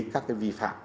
các cái vi phạm